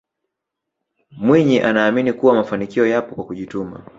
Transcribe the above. mwinyi anaamini kuwa mafanikio yapo kwa kujituma